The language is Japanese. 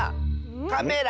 カメラ。